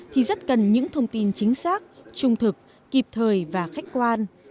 thì rất cần những thông tin chính xác trung thực kịp thời và khách quan